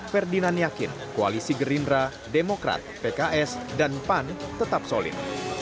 ferdinand yakin koalisi gerindra demokrat pks dan pan tetap solid